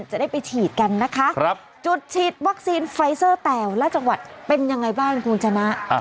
จะได้ไปฉีดกันนะคะจุดฉีดวัคซีนไฟเซอร์แต่ละจังหวัดเป็นยังไงบ้างคุณชนะ